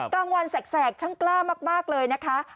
กลางวันแสกช่างกล้ามากเลยนะคะ